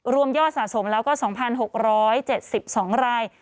รวมยอดสะสมแล้วก็๒๖๗๒ราย